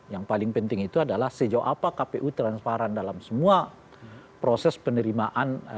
yang paling penting itu adalah sejauh apa kpu transparan dalam semua proses penerimaan